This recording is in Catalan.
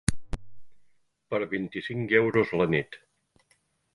Per vint-i-cinc euros la nit.